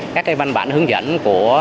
các văn bản hướng dẫn của